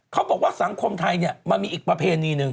เขาบอกว่าสังคมไทยเนี่ยมันมีอีกประเพณีหนึ่ง